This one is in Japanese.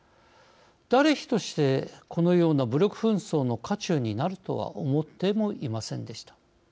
誰一人として、このような武力紛争の渦中になるとは思ってもいませんでした。